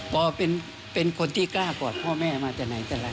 พ่อเป็นคนที่กล้ากว่าพ่อแม่มาจากไหนจากไร